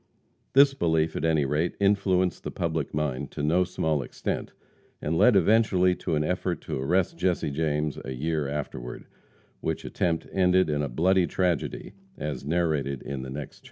This belief, at any rate, influenced the public mind to no small extent, and led eventually to an effort to arrest Jesse James a year afterward, which attempt ended in a bloody tragedy, as narrated in the next chapter.